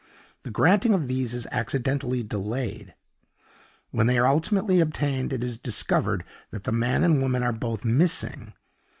The granting of these is accidentally delayed. When they are ultimately obtained, it is discovered that the man and the woman are both missing.